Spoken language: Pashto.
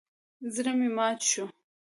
زړه مې مات شو.